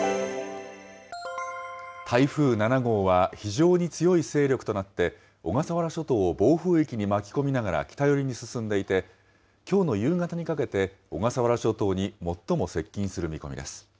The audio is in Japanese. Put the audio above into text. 台風７号は非常に強い勢力となって、小笠原諸島を暴風域に巻き込みながら北寄りに進んでいて、きょうの夕方にかけて小笠原諸島に最も接近する見込みです。